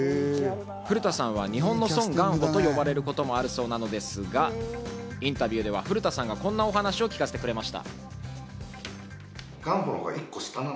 古田さんは日本のソン・ガンホと呼ばれることもあるそうなんですが、インタビューでは古田さんがこんなお話を聞かせてくれました。